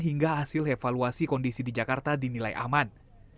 hingga hasil evaluasi kondisi di jakarta dinilai aman